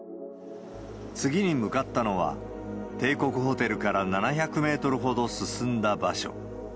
次に向かったのは、帝国ホテルから７００メートルほど進んだ場所。